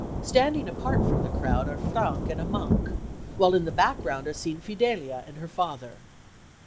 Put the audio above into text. Standing apart from the crowd are Frank and a monk, while in the background are seen Fidelia and her father.